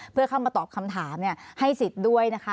เพื่อเข้ามาตอบคำถามให้สิทธิ์ด้วยนะคะ